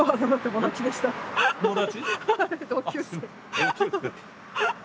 友達？